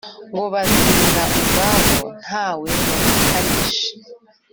Ngo bazirera ubwabo ntawe bafatanyije